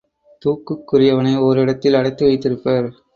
தூக்குக்குரியவனை ஓர் இடத்தில் அடைத்து வைத்திருப்பர்.